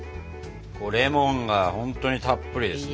レモンがほんとにたっぷりですね。